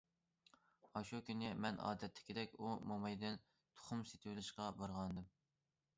ئاشۇ كۈنى مەن ئادەتتىكىدەك ئۇ مومايدىن تۇخۇم سېتىۋېلىشقا بارغانىدىم.